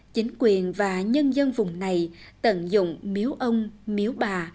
chính quyền và nhân dân vùng này tận dụng miếu ông miếu bà